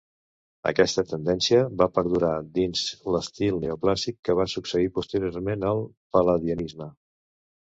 Aquesta tendència va perdurar dins l'estil neoclàssic que va succeir posteriorment al pal·ladianisme.